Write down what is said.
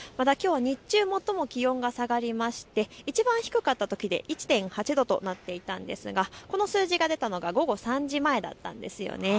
またきょうは日中、最も下がっていちばん低かったときで１．８度となっていたんですがこの数字が出たのが午後３時前だったんです。